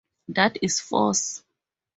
That is force.